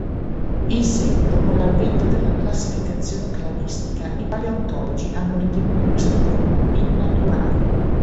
In seguito, con l'avvento della classificazione cladistica, i paleontologi hanno ritenuto questo gruppo innaturale.